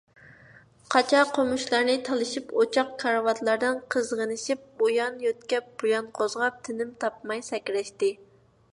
قاچا - قومۇچلارنى تالىشىپ، ئوچاق، كارىۋاتلاردىن قىزغىنىشىپ، ئۇيان يۆتكەپ - بۇيان قوزغاپ، تىنىم تاپماي سەكرەشتى.